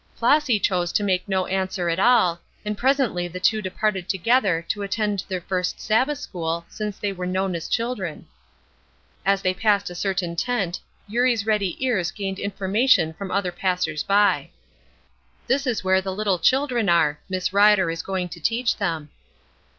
Flossy chose to make no answer at all, and presently the two departed together to attend their first Sabbath school since they were known as children. As they passed a certain tent Eurie's ready ears gained information from other passers by: "This is where the little children are; Miss Rider is going to teach them."